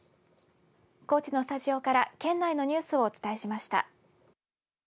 高知のスタジオから県内のニュースをお伝えしました。